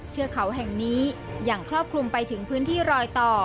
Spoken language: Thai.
เทือกเขาแห่งนี้ยังครอบคลุมไปถึงพื้นที่รอยต่อ